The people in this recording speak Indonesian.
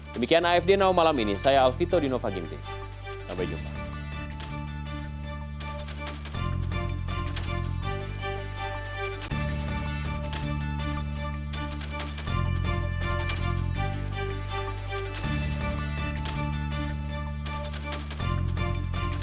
demikian afd now malam ini saya alfito di novo gimpen